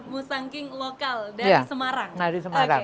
musangking lokal dan semarang